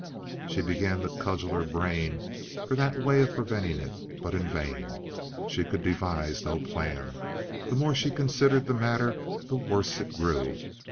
She began to cudgel her brains for that way of preventing it, but in vain. She could devise no plan. The more she considered the matter, the worse it grew.